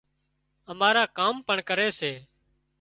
اماران ڪام پڻ ڪري سي